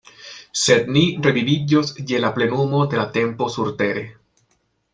Sed ni reviviĝos je la plenumo de la tempo surtere.